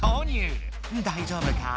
だいじょうぶか？